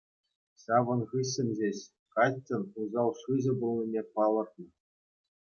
Ҫавӑн хыҫҫӑн ҫеҫ каччӑн усал шыҫӑ пулнине палӑртнӑ.